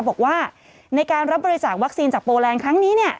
บอกว่าในการรับบริจาควัคซีนจากโปรแลนด์ครั้งนี้เนี่ย